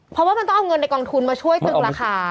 เพราะว่ามันต้องเอาเงินในกองทุนมาช่วยตึงราคา